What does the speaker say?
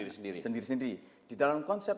diri sendiri sendiri di dalam konsep